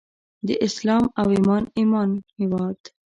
د اسلام او ایمان هیواد.